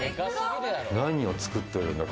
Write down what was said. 何を作ってるんだ？